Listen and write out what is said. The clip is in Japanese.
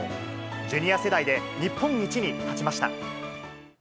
ジュニア世代で日本一に立ちました。